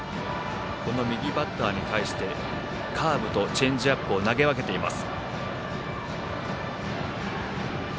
この右バッターに対してカーブとチェンジアップを投げ分けています。